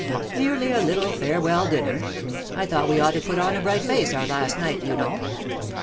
'Merely a little farewell dinner. I thought we ought to put on a bright face our last night, you know.